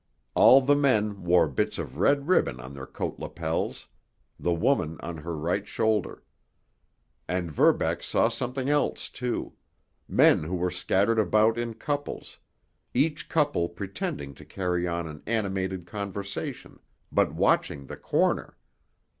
All the men wore bits of red ribbon on their coat lapels—the woman on her right shoulder. And Verbeck saw something else, too—men who were scattered about in couples, each couple pretending to carry on an animated conversation, but watching the corner.